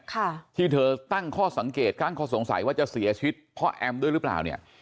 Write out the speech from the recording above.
ค่ะที่เธอตั้งข้อสังเกตตั้งข้อสงสัยว่าจะเสียชีวิตเพราะแอมด้วยหรือเปล่าเนี่ย